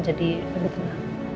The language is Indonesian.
jadi lebih tenang